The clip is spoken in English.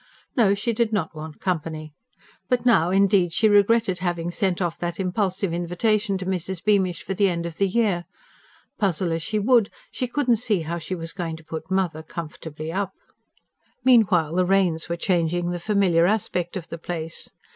No, she did not want company. By now, indeed, she regretted having sent off that impulsive invitation to Mrs. Beamish for the end of the year. Puzzle as she would, she could not see how she was going to put "mother" comfortably up. Meanwhile the rains were changing the familiar aspect of the place.